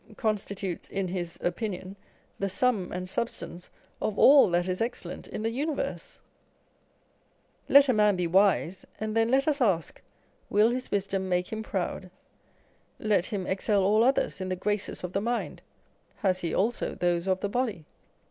constitutes (in his opinion) the sum and substance of all that is excellent in the universe ! Let a man be wise, and then let us ask, Will his wisdom make him proud ? Let him excel all others in the graces of the mind, has he also those of the body?